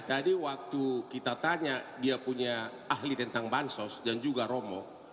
tadi waktu kita tanya dia punya ahli tentang bansos dan juga romo